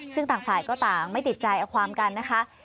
ซึ่งต่างฝ่ายก็ต่างไม่ติดใจเอาความกันนะคะ